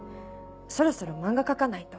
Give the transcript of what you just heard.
そろそろ漫画描かないと。